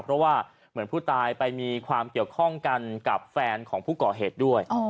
เพราะว่าเหมือนผู้ตายไปมีความเกี่ยวข้องกันกับแฟนของผู้ก่อเหตุด้วย